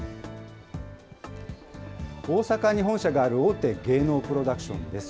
大阪に本社がある大手芸能プロダクションです。